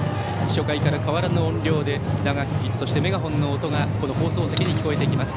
初回から変わらぬ音量で打楽器、メガホンの音が放送席に聞こえてきます。